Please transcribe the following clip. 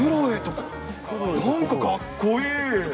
なんかかっこいい。